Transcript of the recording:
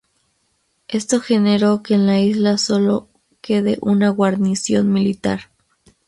Esto generó que en la isla sólo quede una guarnición militar.